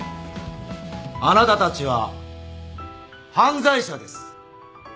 あなたたちは犯罪者です。